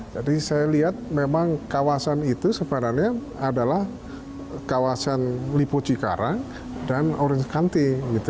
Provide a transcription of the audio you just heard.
jadi saya lihat memang kawasan itu sebenarnya adalah kawasan lipo cikarang dan orange county